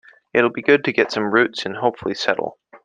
It'll be good to get some roots and hopefully settle.